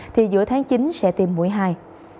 thì giữa tháng chín sẽ tiêm mũi hai